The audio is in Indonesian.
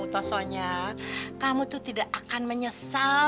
tosonya kamu tuh tidak akan menyesal